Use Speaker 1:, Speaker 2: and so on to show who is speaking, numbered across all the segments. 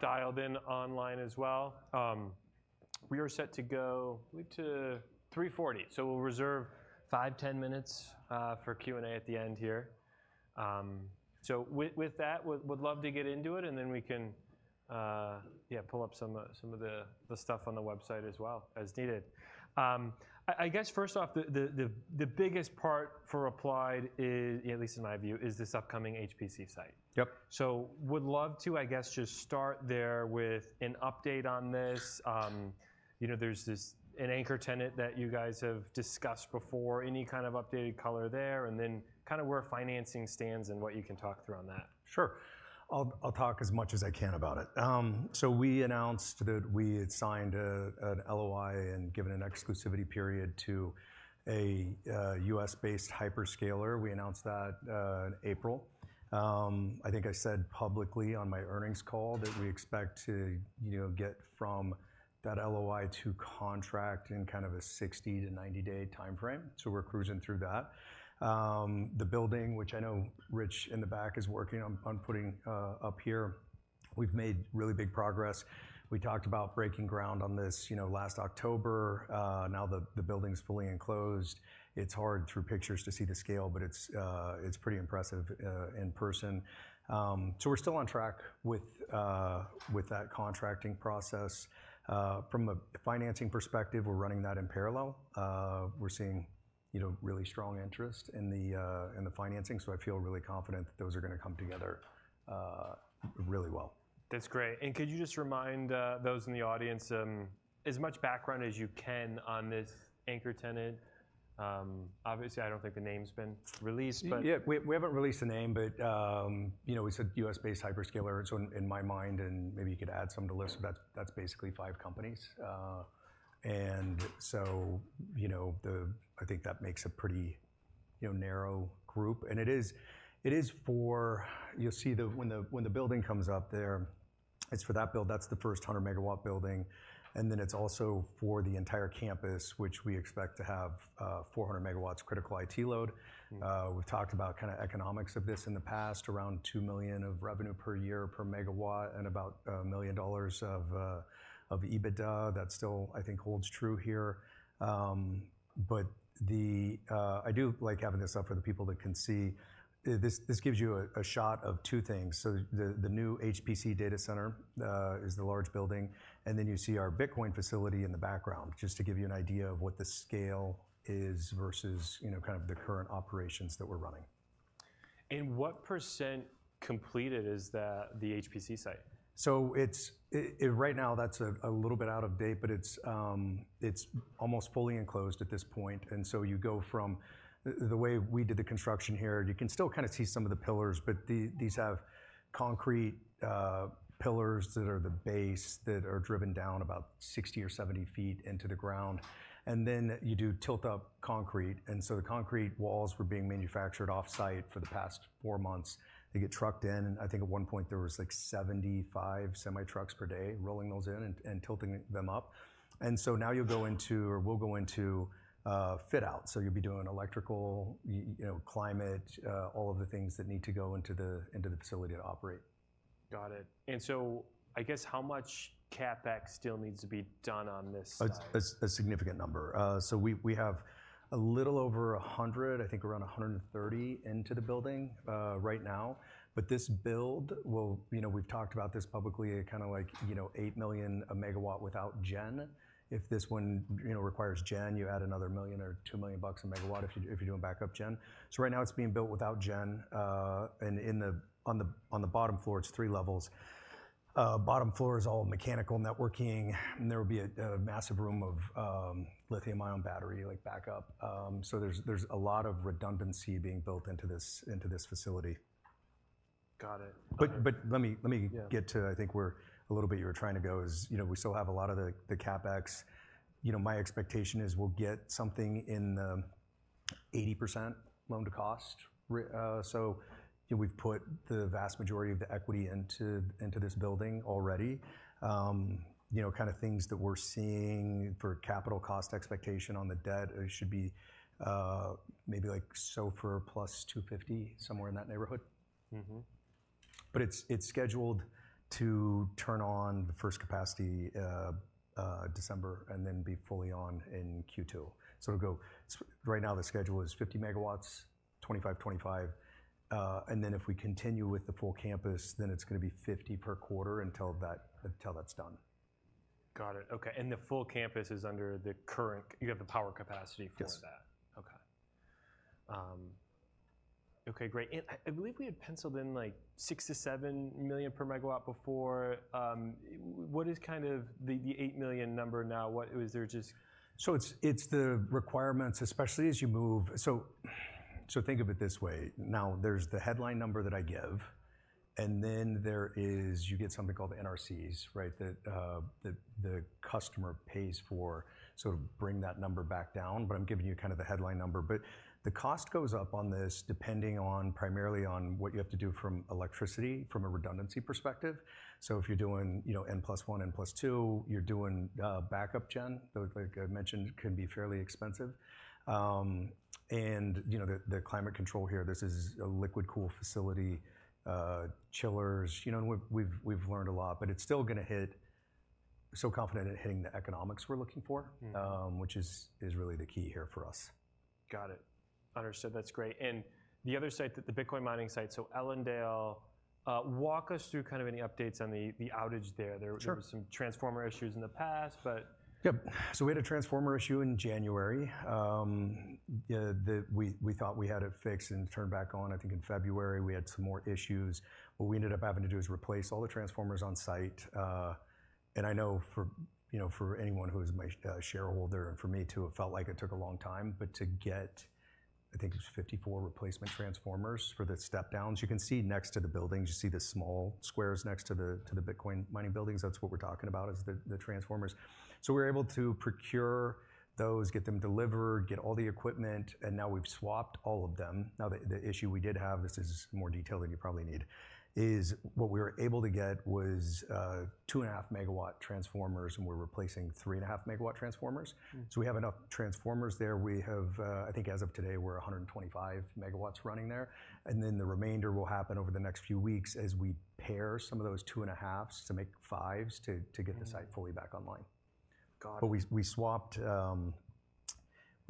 Speaker 1: Dialed in online as well. We are set to go, I believe, to 3:40. So we'll reserve five-10 minutes for Q&A at the end here. With that, we'd love to get into it, and then we can, yeah, pull up some of the stuff on the website as well as needed. I guess first off, the biggest part for Applied is, at least in my view, this upcoming HPC site.
Speaker 2: Yep.
Speaker 1: So, would love to, I guess, just start there with an update on this. You know, there's this an anchor tenant that you guys have discussed before, any kind of updated color there, and then kind of where financing stands and what you can talk through on that.
Speaker 2: Sure. I'll talk as much as I can about it. So we announced that we had signed an LOI and given an exclusivity period to a U.S.-based hyperscaler. We announced that in April. I think I said publicly on my earnings call that we expect to, you know, get from that LOI to contract in kind of a 60-90-day time frame. So we're cruising through that. The building, which I know Rich in the back is working on putting up here, we've made really big progress. We talked about breaking ground on this, you know, last October. Now the building's fully enclosed. It's hard through pictures to see the scale, but it's pretty impressive in person. So we're still on track with that contracting process. From a financing perspective, we're running that in parallel. We're seeing, you know, really strong interest in the financing. So I feel really confident that those are gonna come together, really well.
Speaker 1: That's great. And could you just remind those in the audience as much background as you can on this anchor tenant? Obviously, I don't think the name's been released, but.
Speaker 2: Yeah, we haven't released the name, but, you know, we said U.S.-based hyperscaler. So in my mind, and maybe you could add some to the list, but that's basically five companies. And so, you know, I think that makes a pretty narrow group. And it is for—you'll see when the building comes up there, it's for that build. That's the first 100-MW building. And then it's also for the entire campus, which we expect to have 400 MW critical IT load. We've talked about kind of economics of this in the past, around $2 million of revenue per year per megawatt and about $1 million of EBITDA. That still, I think, holds true here. But I do like having this up for the people that can see. This gives you a shot of two things. So the new HPC data center is the large building. And then you see our Bitcoin facility in the background, just to give you an idea of what the scale is versus, you know, kind of the current operations that we're running.
Speaker 1: What % completed is the HPC site?
Speaker 2: So it's right now, that's a little bit out of date, but it's almost fully enclosed at this point. And so you go from the way we did the construction here, you can still kind of see some of the pillars, but these have concrete pillars that are the base that are driven down about 60 ft or 70 ft into the ground. And then you do tilt-up concrete. And so the concrete walls were being manufactured offsite for the past four months. They get trucked in. And I think at one point there was like 75 semi-trucks per day rolling those in and tilting them up. And so now you'll go into or we'll go into fit-out. So you'll be doing electrical, you know, climate, all of the things that need to go into the facility to operate.
Speaker 1: Got it. And so I guess how much CAPEX still needs to be done on this?
Speaker 2: A significant number. So we have a little over 100, I think around 130 into the building, right now. But this build will, you know, we've talked about this publicly, kind of like, you know, $8 million a megawatt without gen. If this one, you know, requires gen, you add another $1 million or $2 million bucks a megawatt if you're doing backup gen. So right now it's being built without gen. And on the bottom floor, it's three levels. Bottom floor is all mechanical networking. And there'll be a massive room of lithium-ion battery, like, backup. So there's a lot of redundancy being built into this facility.
Speaker 1: Got it.
Speaker 2: But let me get to—I think where you were trying to go is, you know, we still have a lot of the CAPEX. You know, my expectation is we'll get something in the 80% loan-to-cost, so, you know, we've put the vast majority of the equity into this building already. You know, kind of things that we're seeing for capital cost expectation on the debt, it should be maybe like SOFR plus 250 somewhere in that neighborhood.
Speaker 1: Mm-hmm.
Speaker 2: But it's scheduled to turn on the first capacity December and then be fully on in Q2. So it'll go right now, the schedule is 50 MW, 25 MW, 25 MW. And then if we continue with the full campus, then it's gonna be 50 MW per quarter until that, until that's done.
Speaker 1: Got it. Okay. And the full campus is under the current you have the power capacity for that.
Speaker 2: Yes.
Speaker 1: Okay. Great. And I believe we had penciled in like $6 million-$7 million per megawatt before. What is kind of the $8 million number now? What is there just?
Speaker 2: So it's the requirements, especially as you move. So think of it this way. Now there's the headline number that I give, and then there is you get something called NRCs, right, that the customer pays for so to bring that number back down. But I'm giving you kind of the headline number. But the cost goes up on this depending on primarily on what you have to do from electricity from a redundancy perspective. So if you're doing, you know, N+1, N+2, you're doing backup gen, though, like I mentioned, can be fairly expensive. And, you know, the climate control here, this is a liquid-cooled facility, chillers, you know, and we've learned a lot, but it's still gonna hit so confident in hitting the economics we're looking for, which is really the key here for us.
Speaker 1: Got it. Understood. That's great. And the other site, the Bitcoin mining site, so Ellendale, walk us through kind of any updates on the outage there.
Speaker 2: Sure.
Speaker 1: There were some transformer issues in the past, but.
Speaker 2: Yep. So we had a transformer issue in January. Yeah, we thought we had it fixed and turned back on, I think, in February. We had some more issues. What we ended up having to do is replace all the transformers onsite. And I know for, you know, for anyone who is my shareholder and for me too, it felt like it took a long time. But to get, I think it was 54 replacement transformers for the step-downs. You can see next to the buildings, you see the small squares next to the Bitcoin mining buildings. That's what we're talking about is the transformers. So we were able to procure those, get them delivered, get all the equipment. And now we've swapped all of them. Now, the issue we did have, this is more detail than you probably need, is what we were able to get was 2.5-MW transformers, and we're replacing 3.5-MW transformers. So we have enough transformers there. We have, I think as of today, we're 125 MW running there. And then the remainder will happen over the next few weeks as we pair some of those two halves to make fives to get the site fully back online.
Speaker 1: Got it.
Speaker 2: But we swapped. We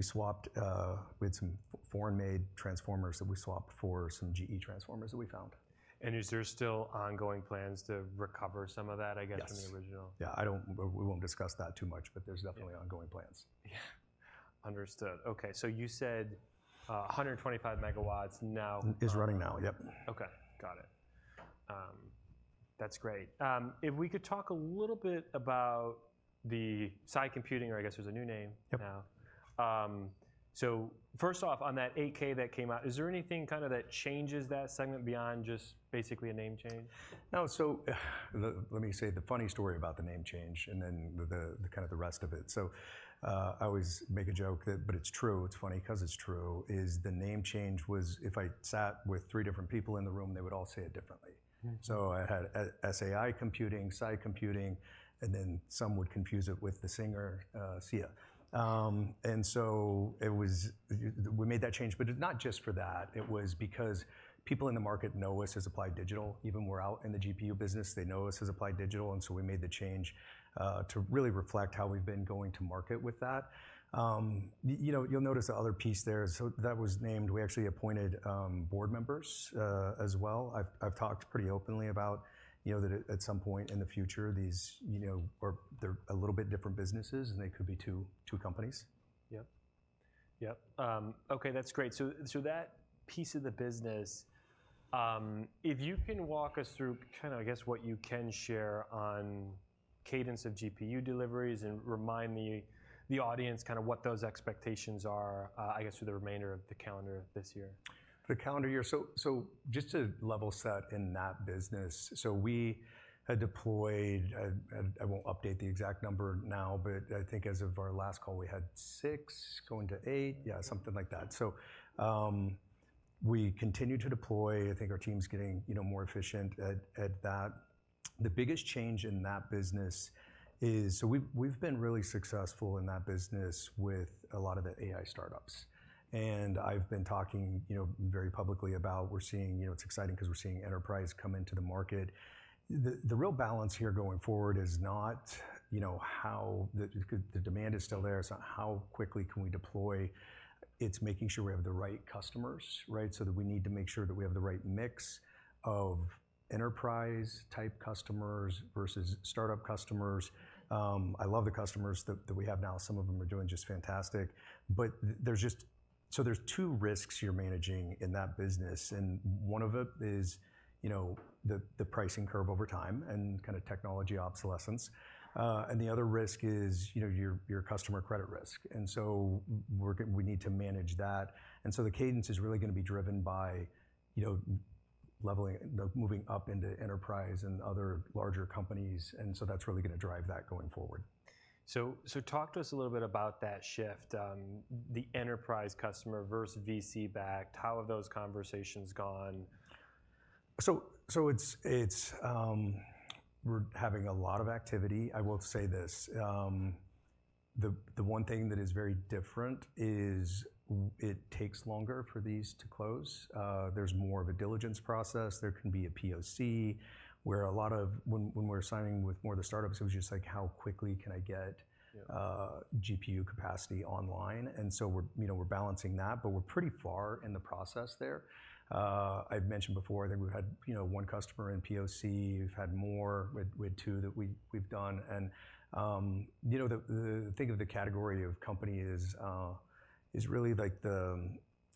Speaker 2: had some foreign-made transformers that we swapped for some GE transformers that we found.
Speaker 1: Is there still ongoing plans to recover some of that, I guess, from the original?
Speaker 2: Yes. Yeah. We won't discuss that too much, but there's definitely ongoing plans.
Speaker 1: Yeah. Understood. Okay. You said, 125 MW now.
Speaker 2: Is running now. Yep.
Speaker 1: Okay. Got it. That's great. If we could talk a little bit about the Sai Computing, or I guess there's a new name now.
Speaker 2: Yep.
Speaker 1: First off, on that 8-K that came out, is there anything kind of that changes that segment beyond just basically a name change?
Speaker 2: No. So let me say the funny story about the name change and then the kind of the rest of it. So I always make a joke that but it's true. It's funny 'cause it's true is the name change was if I sat with three different people in the room, they would all say it differently. So I had Sai Computing, side computing, and then some would confuse it with the singer, Sia. And so it was we made that change, but it's not just for that. It was because people in the market know us as Applied Digital. Even we're out in the GPU business, they know us as Applied Digital. And so we made the change to really reflect how we've been going to market with that, you know, you'll notice the other piece there. So that was named. We actually appointed board members as well. I've talked pretty openly about, you know, that at some point in the future, these, you know, are. They're a little bit different businesses, and they could be two companies.
Speaker 1: Yep. Yep. Okay. That's great. So, so that piece of the business, if you can walk us through kind of, I guess, what you can share on cadence of GPU deliveries and remind the, the audience kind of what those expectations are, I guess, for the remainder of the calendar this year.
Speaker 2: The calendar year. So just to level set in that business, so we had deployed. I won't update the exact number now, but I think as of our last call, we had six to eight. Yeah, something like that. So, we continue to deploy. I think our team's getting, you know, more efficient at that. The biggest change in that business is so we've been really successful in that business with a lot of the AI startups. And I've been talking, you know, very publicly about we're seeing, you know, it's exciting 'cause we're seeing enterprise come into the market. The real balance here going forward is not, you know, how the demand is still there. It's not how quickly can we deploy. It's making sure we have the right customers, right, so that we need to make sure that we have the right mix of enterprise-type customers versus startup customers. I love the customers that we have now. Some of them are doing just fantastic. But there's just so there's two risks you're managing in that business. And one of it is, you know, the pricing curve over time and kind of technology obsolescence. And the other risk is, you know, your customer credit risk. And so we're gonna we need to manage that. And so the cadence is really gonna be driven by, you know, leveling the moving up into enterprise and other larger companies. And so that's really gonna drive that going forward.
Speaker 1: So, talk to us a little bit about that shift. The enterprise customer versus VC-backed. How have those conversations gone?
Speaker 2: It's, it's, we're having a lot of activity. I will say this. The one thing that is very different is it takes longer for these to close. There's more of a diligence process. There can be a POC where a lot of when, when we're signing with more of the startups, it was just like, how quickly can I get GPU capacity online? We're, you know, we're balancing that, but we're pretty far in the process there. I've mentioned before, I think we've had, you know, one customer in POC. We've had more with, with two that we, we've done. And, you know, the, the think of the category of companies is, is really like the,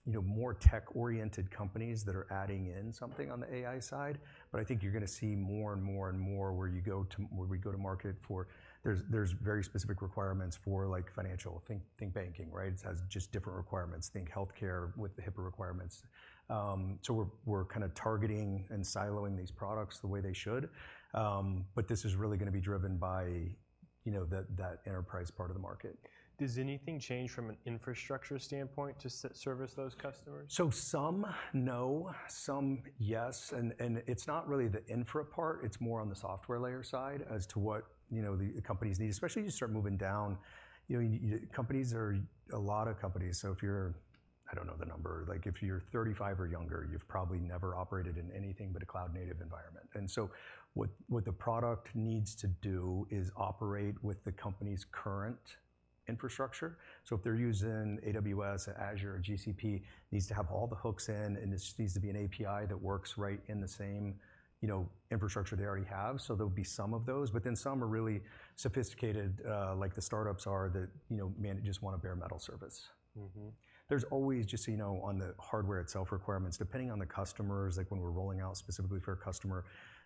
Speaker 2: you know, more tech-oriented companies that are adding in something on the AI side. But I think you're gonna see more and more and more where you go to where we go to market for there's, there's very specific requirements for like financial think, think banking, right? It has just different requirements. Think healthcare with the HIPAA requirements. So we're, we're kind of targeting and siloing these products the way they should. But this is really gonna be driven by, you know, that, that enterprise part of the market.
Speaker 1: Does anything change from an infrastructure standpoint to service those customers?
Speaker 2: So some, no. Some, yes. And it's not really the infra part. It's more on the software layer side as to what, you know, the companies need, especially as you start moving down. You know, companies are a lot of companies. So if you're I don't know the number. Like if you're 35 or younger, you've probably never operated in anything but a cloud-native environment. And so what the product needs to do is operate with the company's current infrastructure. So if they're using AWS, Azure, or GCP, it needs to have all the hooks in, and it just needs to be an API that works right in the same, you know, infrastructure they already have. So there'll be some of those, but then some are really sophisticated, like the startups are that, you know, man just wanna bare metal service.
Speaker 1: Mm-hmm.
Speaker 2: There's always just, you know, on the hardware itself requirements. Depending on the customers, like when we're rolling out specifically for a customer,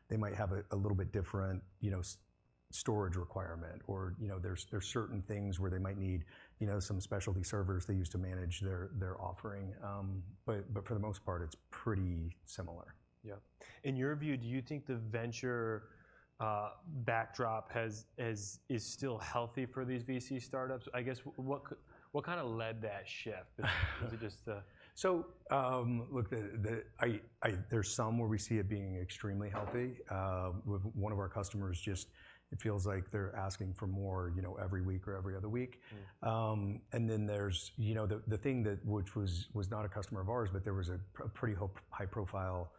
Speaker 2: they might have a little bit different, you know, storage requirement or, you know, there's certain things where they might need, you know, some specialty servers they use to manage their offering. But for the most part, it's pretty similar.
Speaker 1: Yep. In your view, do you think the venture backdrop has is still healthy for these VC startups? I guess what kind of led that shift? Is it just the?
Speaker 2: So, look, there's somewhere we see it being extremely healthy with one of our customers. Just, it feels like they're asking for more, you know, every week or every other week. And then there's, you know, the thing that which was not a customer of ours, but there was a pretty high-profile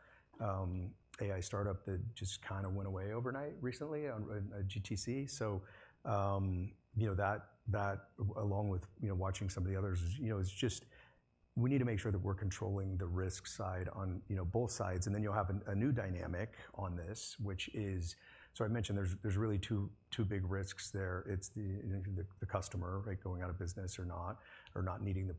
Speaker 2: AI startup that just kind of went away overnight recently on a GTC. So, you know, that along with, you know, watching some of the others is, you know, it's just we need to make sure that we're controlling the risk side on, you know, both sides. And then you'll have a new dynamic on this, which is so I mentioned there's really two big risks there. It's the customer, right, going out of business or not needing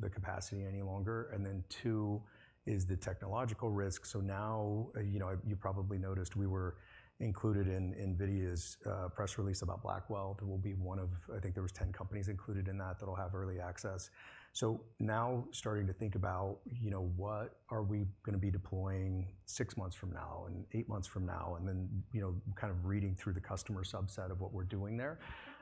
Speaker 2: the capacity any longer. Then two is the technological risk. So now, you know, you probably noticed we were included in NVIDIA's press release about Blackwell that will be one of I think there was 10 companies included in that that'll have early access. So now starting to think about, you know, what are we gonna be deploying six months from now and eight months from now, and then, you know, kind of reading through the customer subset of what we're doing there.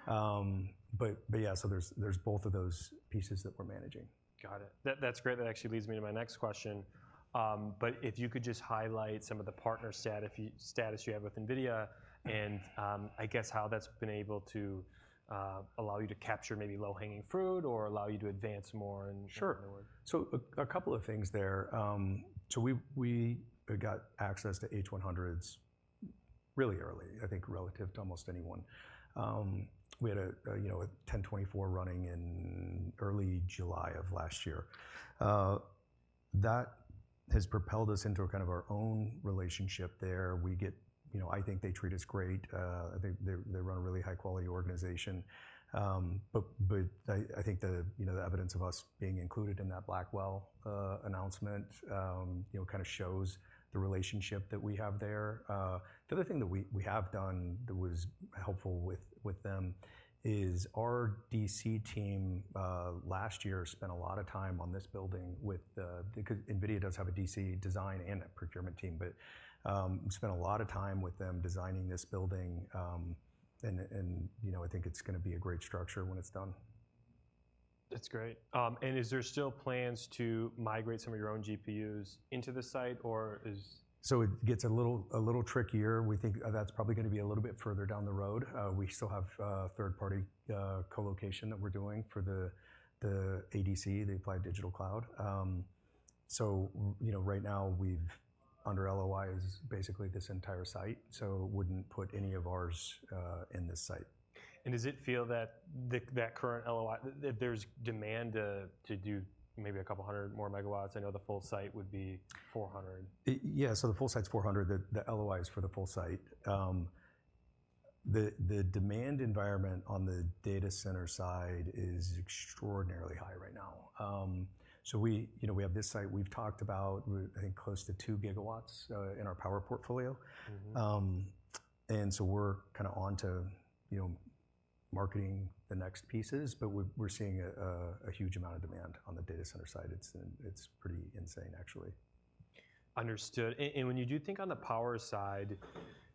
Speaker 2: But yeah. So there's both of those pieces that we're managing.
Speaker 1: Got it. That, that's great. That actually leads me to my next question. But if you could just highlight some of the partner status you have with NVIDIA and, I guess how that's been able to, allow you to capture maybe low-hanging fruit or allow you to advance more in the world.
Speaker 2: Sure. So a couple of things there. So we got access to H100s really early, I think, relative to almost anyone. We had, you know, a 1024 running in early July of last year. That has propelled us into kind of our own relationship there. We get, you know, I think they treat us great. I think they run a really high-quality organization. But I think the, you know, the evidence of us being included in that Blackwell announcement, you know, kind of shows the relationship that we have there. The other thing that we have done that was helpful with them is our DC team last year spent a lot of time on this building with them, because NVIDIA does have a DC design and a procurement team, but spent a lot of time with them designing this building. You know, I think it's gonna be a great structure when it's done.
Speaker 1: That's great. And is there still plans to migrate some of your own GPUs into the site, or is?
Speaker 2: So it gets a little trickier. We think that's probably gonna be a little bit further down the road. We still have third-party colocation that we're doing for the ADC, the Applied Digital Cloud. So, you know, right now, we've under LOI is basically this entire site, so wouldn't put any of ours in this site.
Speaker 1: Does it feel that the current LOI, if there's demand, to do maybe 200 more megawatts? I know the full site would be 400 MW.
Speaker 2: Yeah. So the full site's 400 MW. The LOI is for the full site. The demand environment on the data center side is extraordinarily high right now. So we, you know, we have this site we've talked about, I think, close to 2 GW, in our power portfolio. And so we're kind of onto, you know, marketing the next pieces, but we're seeing a huge amount of demand on the data center side. It's pretty insane, actually.
Speaker 1: Understood. And when you do think on the power side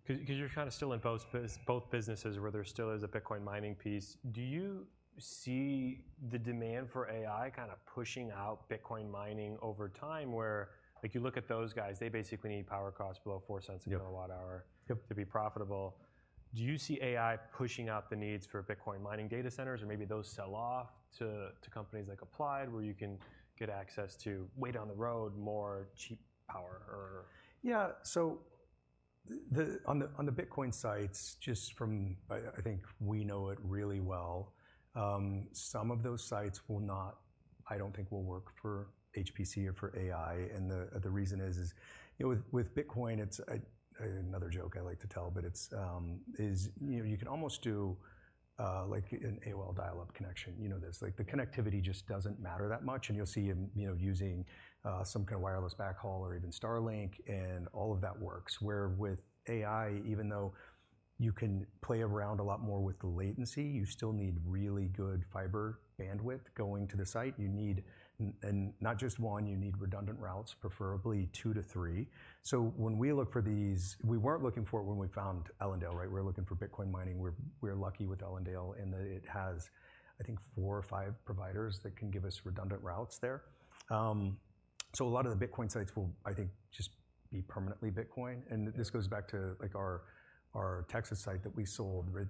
Speaker 1: 'cause you're kind of still in both businesses where there still is a Bitcoin mining piece, do you see the demand for AI kind of pushing out Bitcoin mining over time where, like, you look at those guys, they basically need power costs below $0.04/kWh.
Speaker 2: Yep. Yep.
Speaker 1: To be profitable. Do you see AI pushing out the needs for Bitcoin mining data centers, or maybe those sell off to companies like Applied where you can get access to way down the road more cheap power, or?
Speaker 2: Yeah. So the Bitcoin sites, just from, I think we know it really well, some of those sites will not, I don't think, work for HPC or for AI. And the reason is, you know, with Bitcoin, it's another joke I like to tell, but it's, you know, you can almost do, like an AOL dial-up connection. You know this. Like the connectivity just doesn't matter that much. And you'll see him, you know, using some kind of wireless backhaul or even Starlink, and all of that works. Where with AI, even though you can play around a lot more with the latency, you still need really good fiber bandwidth going to the site. You need, and not just one. You need redundant routes, preferably two to three. So when we look for these we weren't looking for it when we found Ellendale, right? We were looking for Bitcoin mining. We're, we're lucky with Ellendale in that it has, I think, four or five providers that can give us redundant routes there. So a lot of the Bitcoin sites will, I think, just be permanently Bitcoin. And this goes back to, like, our, our Texas site that we sold, right?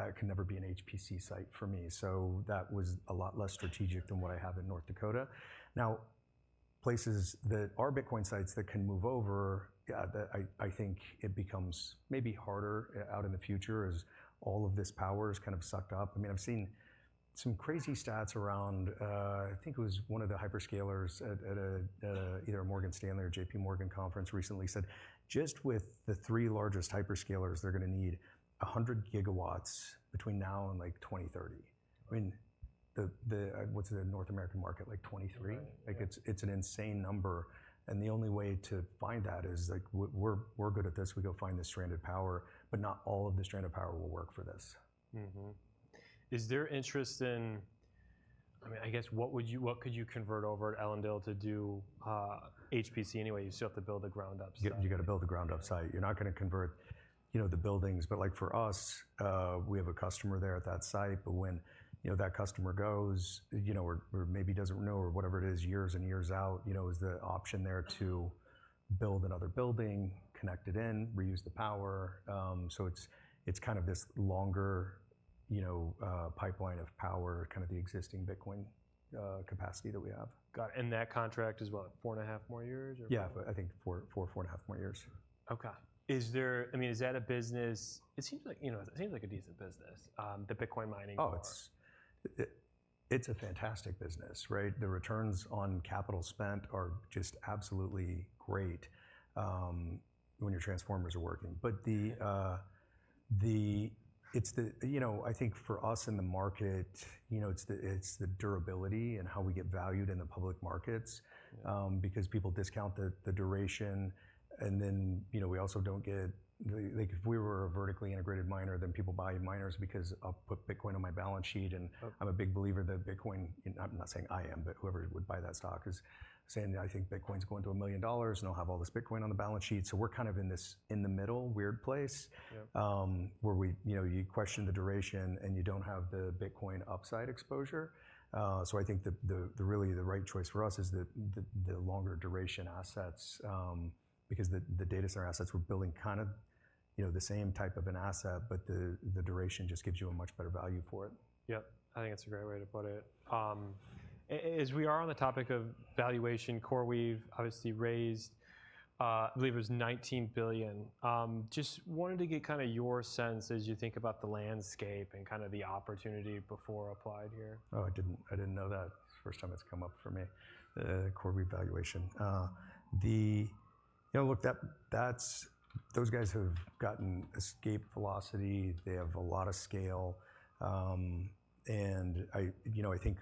Speaker 2: That, that can never be an HPC site for me. So that was a lot less strategic than what I have in North Dakota. Now, places that are Bitcoin sites that can move over, yeah, that I, I think it becomes maybe harder out in the future as all of this power is kind of sucked up. I mean, I've seen some crazy stats around, I think it was one of the hyperscalers at a either a Morgan Stanley or JPMorgan conference recently said just with the three largest hyperscalers, they're gonna need 100 GW between now and like 2030. I mean, the what's the North American market? Like 23?
Speaker 1: Right.
Speaker 2: Like it's an insane number. And the only way to find that is, like, we're good at this. We go find this stranded power. But not all of the stranded power will work for this.
Speaker 1: Mm-hmm. Is there interest in, I mean, I guess, what could you convert over at Ellendale to do HPC anyway? You still have to build a ground-up site.
Speaker 2: Yep. You gotta build a ground-up site. You're not gonna convert, you know, the buildings. But like for us, we have a customer there at that site. But when, you know, that customer goes, you know, or, or maybe doesn't know or whatever it is, years and years out, you know, is the option there to build another building, connect it in, reuse the power. So it's, it's kind of this longer, you know, pipeline of power, kind of the existing Bitcoin capacity that we have.
Speaker 1: Got it. And that contract is what, 4.5 more years, or?
Speaker 2: Yeah. I think four, four, 4.5 more years.
Speaker 1: Okay. I mean, is that a business? It seems like, you know, it seems like a decent business, the Bitcoin mining part.
Speaker 2: Oh, it's a fantastic business, right? The returns on capital spent are just absolutely great, when your transformers are working. But it's the, you know, I think for us in the market, you know, it's the durability and how we get valued in the public markets, because people discount the duration. And then, you know, we also don't get the, like if we were a vertically integrated miner, then people buy miners because I'll put Bitcoin on my balance sheet. I'm a big believer that Bitcoin—I'm not saying I am, but whoever would buy that stock is saying, "I think Bitcoin's going to $1 million, and I'll have all this Bitcoin on the balance sheet." So we're kind of in this middle weird place, where we, you know, you question the duration, and you don't have the Bitcoin upside exposure. So I think the really right choice for us is the longer duration assets, because the data center assets we're building kind of, you know, the same type of an asset, but the duration just gives you a much better value for it.
Speaker 1: Yep. I think it's a great way to put it. As we are on the topic of valuation, CoreWeave obviously raised, I believe it was $19 billion. Just wanted to get kind of your sense as you think about the landscape and kind of the opportunity before Applied here.
Speaker 2: Oh, I didn't I didn't know that. First time it's come up for me, the CoreWeave valuation. The, you know, look, that, that's those guys have gotten escape velocity. They have a lot of scale. I, you know, I think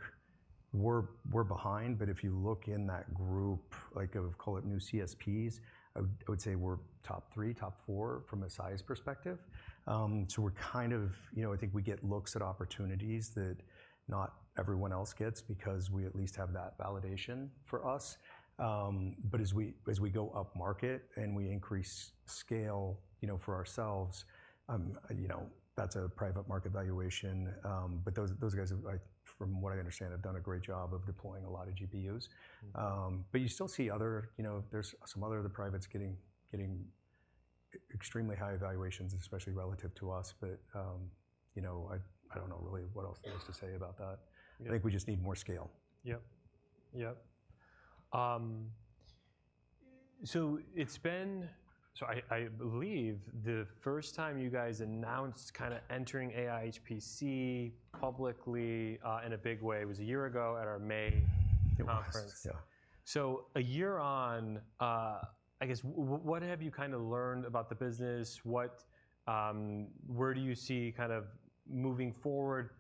Speaker 2: we're, we're behind. But if you look in that group, like, of call it new CSPs, I would, I would say we're top three, top four from a size perspective. We're kind of, you know, I think we get looks at opportunities that not everyone else gets because we at least have that validation for us. But as we as we go up market and we increase scale, you know, for ourselves, you know, that's a private market valuation. But those, those guys have, like, from what I understand, have done a great job of deploying a lot of GPUs. But you still see other, you know, there's some other of the privates getting extremely high valuations, especially relative to us. But, you know, I don't know really what else there is to say about that. I think we just need more scale.
Speaker 1: Yep. Yep. So it's been so I, I believe the first time you guys announced kind of entering AI HPC publicly, in a big way was a year ago at our May conference.
Speaker 2: It was. Yeah.
Speaker 1: So a year on, I guess what, what have you kind of learned about the business? What, where do you see kind of moving forward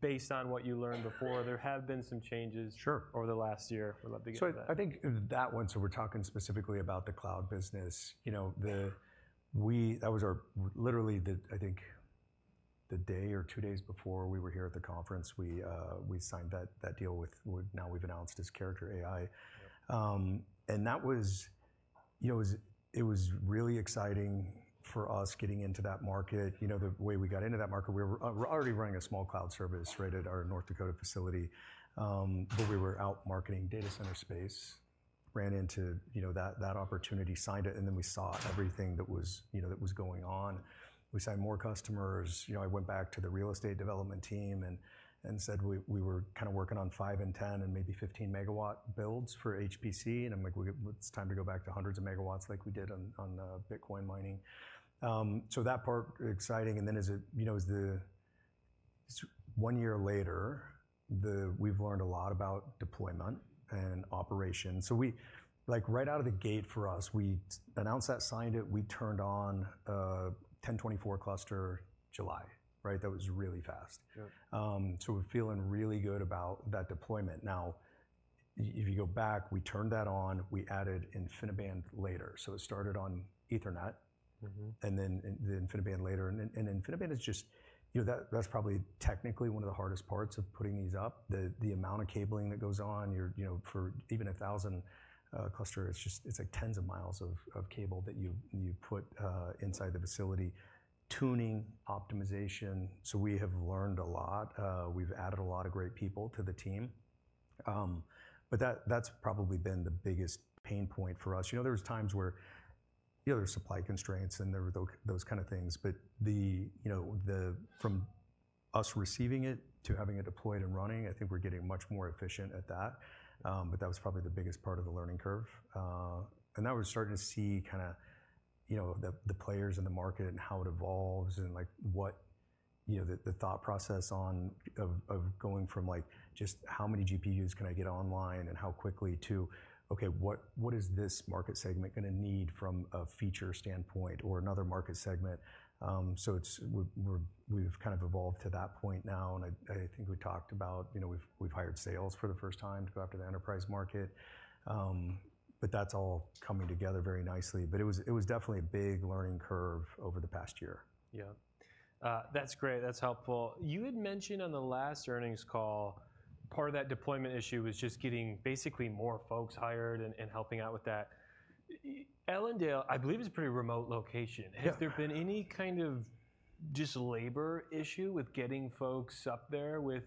Speaker 1: based on what you learned before? There have been some changes.
Speaker 2: Sure.
Speaker 1: Over the last year. We'd love to get to that.
Speaker 2: So, I think that one, so we're talking specifically about the cloud business. You know, that was our literally the, I think, the day or two days before we were here at the conference, we signed that deal with what now we've announced as Character.AI. And that was, you know, it was really exciting for us getting into that market. You know, the way we got into that market, we were already running a small cloud service, right, at our North Dakota facility. But we were out marketing data center space, ran into, you know, that opportunity, signed it, and then we saw everything that was, you know, that was going on. We signed more customers. You know, I went back to the real estate development team and said we were kind of working on 5 MW, 10 MW, and maybe 15 MW builds for HPC. And I'm like, "We it's time to go back to hundreds of megawatts like we did on Bitcoin mining." So that part exciting. And then, you know, it's one year later, we've learned a lot about deployment and operation. So we, like, right out of the gate for us, we announced that, signed it. We turned on a 1024 cluster July, right? That was really fast. So we're feeling really good about that deployment. Now, if you go back, we turned that on. We added InfiniBand later. So it started on Ethernet.
Speaker 1: Mm-hmm. And then the InfiniBand later. And InfiniBand is just, you know, that, that's probably technically one of the hardest parts of putting these up. The amount of cabling that goes on, you know, for even a 1,000-cluster, it's just like tens of miles of cable that you put inside the facility, tuning, optimization. So we have learned a lot. We've added a lot of great people to the team. But that, that's probably been the biggest pain point for us. You know, there was times where, you know, there's supply constraints, and there were those kind of things. But, you know, the from us receiving it to having it deployed and running, I think we're getting much more efficient at that. But that was probably the biggest part of the learning curve. That was starting to see kind of, you know, the players in the market and how it evolves and, like, what, you know, the thought process of going from, like, just how many GPUs can I get online and how quickly to, "Okay, what is this market segment gonna need from a feature standpoint or another market segment?" So we've kind of evolved to that point now. And I think we talked about, you know, we've hired sales for the first time to go after the enterprise market. But that's all coming together very nicely. But it was definitely a big learning curve over the past year. Yep. That's great. That's helpful. You had mentioned on the last earnings call, part of that deployment issue was just getting basically more folks hired and helping out with that. Ellendale, I believe, is a pretty remote location. Has there been any kind of just labor issue with getting folks up there with?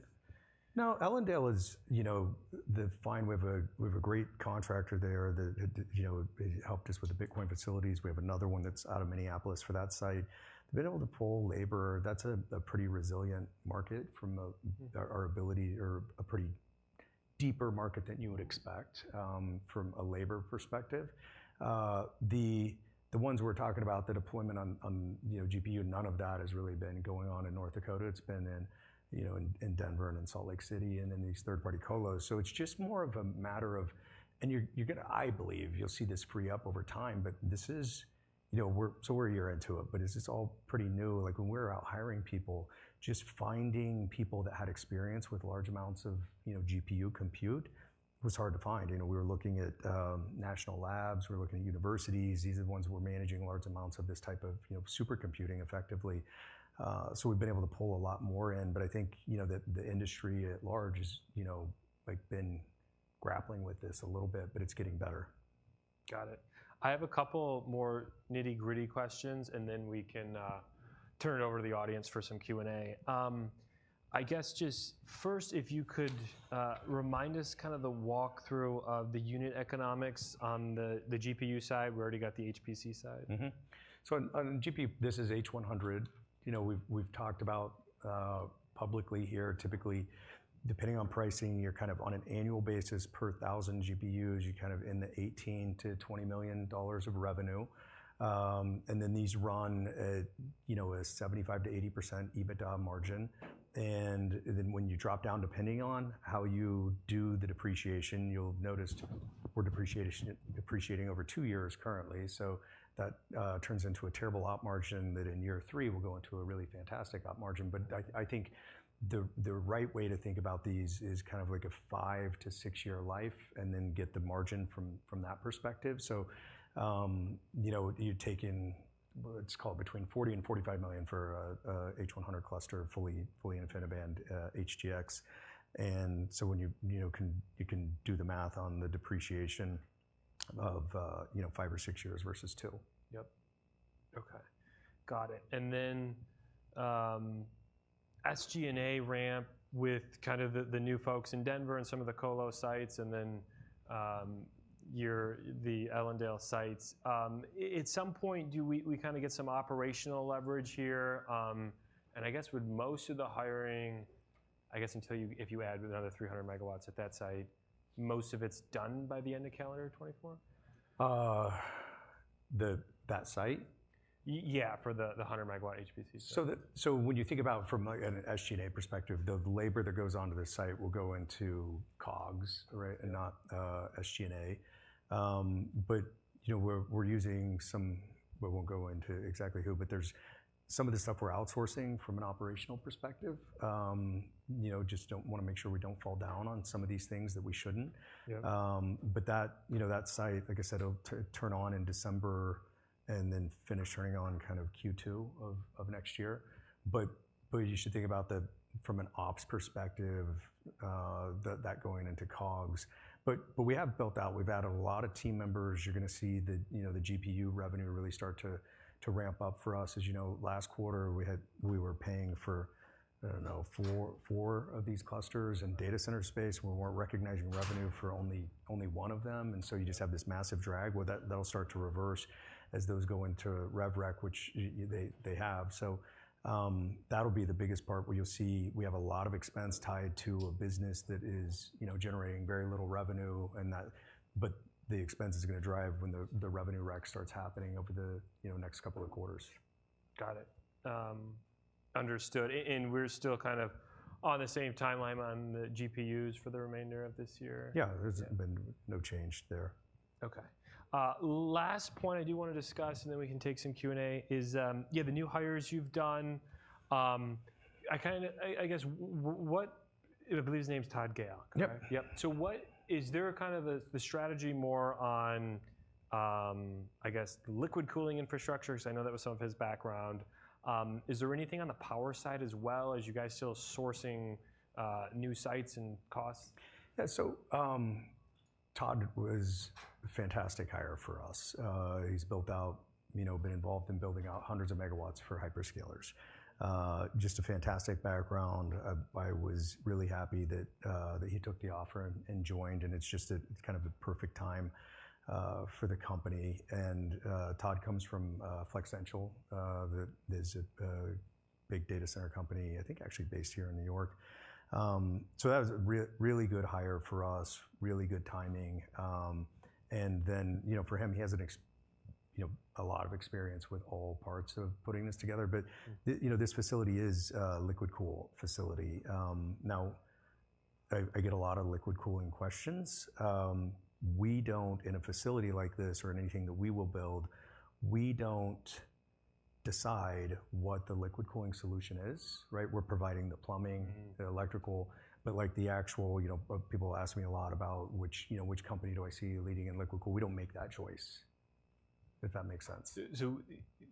Speaker 2: No, Ellendale is, you know, the site. We have a great contractor there that, you know, helped us with the Bitcoin facilities. We have another one that's out of Minneapolis for that site. They've been able to pull labor. That's a pretty resilient market from our ability or a pretty deep market than you would expect, from a labor perspective. The ones we're talking about, the deployment on, you know, GPU, none of that has really been going on in North Dakota. It's been in, you know, in Denver and in Salt Lake City and in these third-party colos. So it's just more of a matter of and you're gonna, I believe you'll see this free up over time. But this is, you know, we're a year into it. But it's all pretty new. Like, when we were out hiring people, just finding people that had experience with large amounts of, you know, GPU compute was hard to find. You know, we were looking at national labs. We were looking at universities. These are the ones that were managing large amounts of this type of, you know, supercomputing effectively. So we've been able to pull a lot more in. But I think, you know, that the industry at large has, you know, like, been grappling with this a little bit, but it's getting better.
Speaker 1: Got it. I have a couple more nitty-gritty questions, and then we can turn it over to the audience for some Q&A. I guess just first, if you could remind us kind of the walkthrough of the unit economics on the GPU side. We already got the HPC side.
Speaker 2: Mm-hmm. So on GPU, this is H100. You know, we've talked about publicly here. Typically, depending on pricing, you're kind of on an annual basis per 1,000 GPUs, you're kind of in the $18 million-$20 million of revenue. And then these run at, you know, a 75%-80% EBITDA margin. And then when you drop down, depending on how you do the depreciation, you'll have noticed we're depreciating over two years currently. So that turns into a terrible op margin that in year three will go into a really fantastic op margin. But I think the right way to think about these is kind of like a five- to six-year life and then get the margin from that perspective. So, you know, you'd taken what's called between $40 million-$45 million for a H100 cluster fully InfiniBand, HGX. And so when you, you know, can do the math on the depreciation of, you know, five or six years versus two.
Speaker 1: Yep. Okay. Got it. And then, SG&A ramp with kind of the new folks in Denver and some of the colo sites and then, or the Ellendale sites. At some point, do we kind of get some operational leverage here? And I guess with most of the hiring, I guess until you if you add another 300 MW at that site, most of it's done by the end of calendar 2024?
Speaker 2: The that site?
Speaker 1: Yeah, for the 100 MW HPC site.
Speaker 2: So when you think about from an SG&A perspective, the labor that goes onto the site will go into COGS, right, and not SG&A. But you know, we're using some we won't go into exactly who, but there's some of the stuff we're outsourcing from an operational perspective. You know, just don't wanna make sure we don't fall down on some of these things that we shouldn't. But that, you know, that site, like I said, it'll turn on in December and then finish turning on kind of Q2 of next year. But you should think about the from an ops perspective, that going into COGS. But we have built out we've added a lot of team members. You're gonna see the, you know, the GPU revenue really start to ramp up for us. As you know, last quarter, we were paying for, I don't know, four of these clusters. And data center space, we weren't recognizing revenue for only one of them. And so you just have this massive drag. Well, that'll start to reverse as those go into RevRec, which they have. So, that'll be the biggest part where you'll see we have a lot of expense tied to a business that is, you know, generating very little revenue. And that, but the expense is gonna drive when the revenue rec starts happening over the, you know, next couple of quarters.
Speaker 1: Got it. Understood. And, we're still kind of on the same timeline on the GPUs for the remainder of this year.
Speaker 2: Yeah, there's been no change there.
Speaker 1: Okay. Last point I do wanna discuss, and then we can take some Q&A, is, yeah, the new hires you've done. I kinda guess what I believe his name's Todd Gale, correct?
Speaker 2: Yep.
Speaker 1: Yep. So what is there kind of a the strategy more on, I guess, liquid cooling infrastructure? 'Cause I know that was some of his background. Is there anything on the power side as well as you guys still sourcing new sites and costs?
Speaker 2: Yeah. So, Todd was a fantastic hire for us. He's built out, you know, been involved in building out hundreds of megawatts for hyperscalers. Just a fantastic background. I, I was really happy that, that he took the offer and, and joined. And it's just, it's kind of a perfect time for the company. And, Todd comes from Flexential, that is a big data center company, I think, actually based here in New York. So that was a really, really good hire for us, really good timing. And then, you know, for him, he has an, you know, a lot of experience with all parts of putting this together. But, you know, this facility is a liquid-cooled facility. Now, I, I get a lot of liquid cooling questions. We don't in a facility like this or in anything that we will build, we don't decide what the liquid cooling solution is, right? We're providing the plumbing, the electrical. But, like, the actual, you know, people ask me a lot about which, you know, which company do I see leading in liquid cooling. We don't make that choice, if that makes sense.
Speaker 1: So,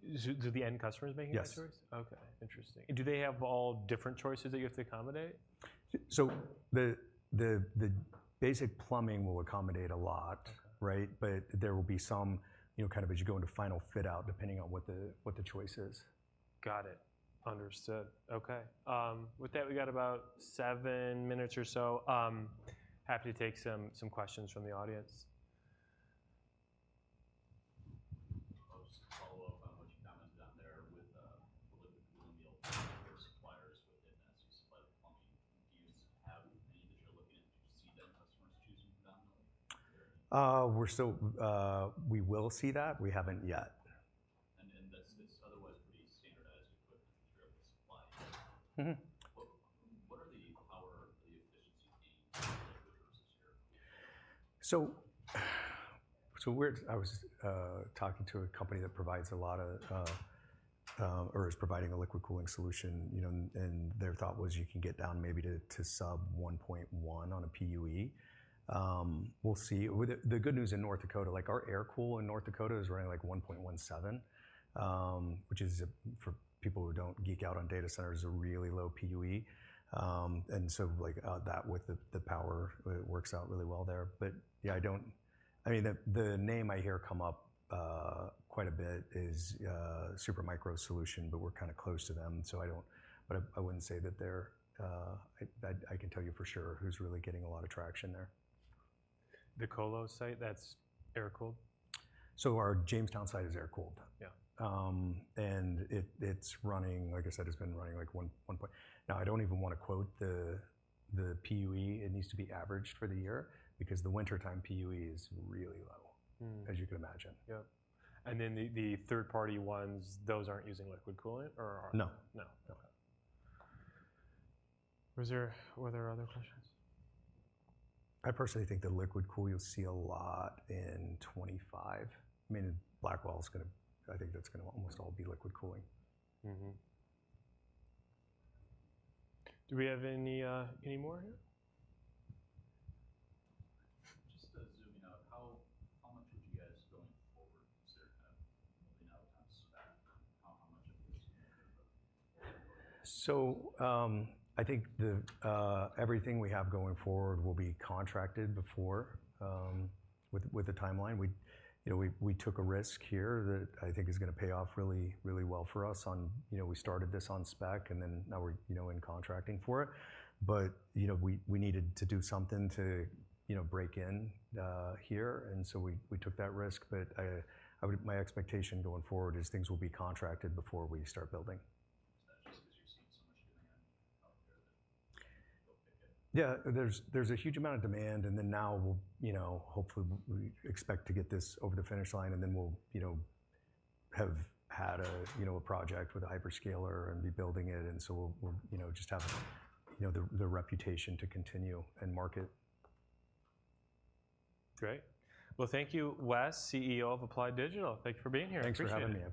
Speaker 1: the end customer's making that choice?
Speaker 2: Yes.
Speaker 1: Okay. Interesting. Do they have all different choices that you have to accommodate?
Speaker 2: So the basic plumbing will accommodate a lot, right? But there will be some, you know, kind of as you go into final fit-out, depending on what the choice is.
Speaker 1: Got it. Understood. Okay. With that, we got about seven minutes or so. Happy to take some, some questions from the audience.
Speaker 3: I'll just follow up on what you commented on there with the liquid cooling deal for suppliers within the supply, the plumbing. Do you have any that you're looking at? Do you see the customers choosing predominantly?
Speaker 2: We're still, we will see that. We haven't yet.
Speaker 3: And that's otherwise pretty standardized equipment that you're able to supply.
Speaker 2: Mm-hmm.
Speaker 3: What are the power or the efficiency gains in the liquid services here?
Speaker 2: So, I was talking to a company that provides a lot of, or is providing a liquid cooling solution. You know, and their thought was you can get down maybe to sub 1.1 on a PUE. We'll see. The good news in North Dakota, like, our air cooling in North Dakota is running, like, 1.17, which is, for people who don't geek out on data centers, a really low PUE. And so, like, that with the power, it works out really well there. But yeah, I don't, I mean, the name I hear come up quite a bit is Supermicro solution, but we're kind of close to them. So I don't, but I can tell you for sure who's really getting a lot of traction there.
Speaker 1: The colo site that's air-cooled?
Speaker 2: Our Jamestown site is air-cooled.
Speaker 1: Yeah.
Speaker 2: It’s running like I said. It’s been running, like, 1.1 now. I don’t even wanna quote the PUE. It needs to be averaged for the year because the wintertime PUE is really low, as you can imagine.
Speaker 1: Yep. And then the third-party ones, those aren't using liquid cooling or aren't?
Speaker 2: No.
Speaker 1: No.
Speaker 2: No.
Speaker 1: Okay. Were there other questions?
Speaker 2: I personally think the liquid cooling you'll see a lot in 2025. I mean, Blackwell's gonna I think that's gonna almost all be liquid cooling.
Speaker 1: Mm-hmm. Do we have any more here?
Speaker 3: Just a zooming out, how much would you guys going forward consider kind of moving out of town to spec? How much of this?
Speaker 2: So, I think the everything we have going forward will be contracted before, with a timeline. We, you know, we took a risk here that I think is gonna pay off really, really well for us. On, you know, we started this on spec, and then now we're, you know, in contracting for it. But, you know, we needed to do something to, you know, break in here. And so we took that risk. But I would my expectation going forward is things will be contracted before we start building.
Speaker 3: Is that just 'cause you're seeing so much demand out there that you'll pick it?
Speaker 2: Yeah. There's a huge amount of demand. And then now we'll, you know, hopefully, we expect to get this over the finish line. And then we'll, you know, have had a, you know, a project with a hyperscaler and be building it. And so we'll, you know, just have, you know, the reputation to continue and market.
Speaker 1: Great. Well, thank you, Wes, CEO of Applied Digital. Thank you for being here.
Speaker 2: Thanks for having us.